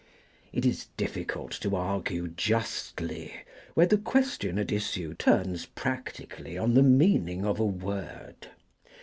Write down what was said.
It is difficult to argue justly, where the question at issue turns practically on the meaning of a word.